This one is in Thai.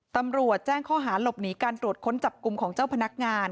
ตำรวจแจ้งข้อหาหลบหนีการตรวจค้นจับกลุ่มของเจ้าพนักงาน